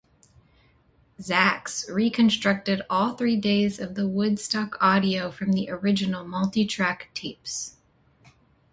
Zax reconstructed all three days of the Woodstock audio from the original multi-track tapes.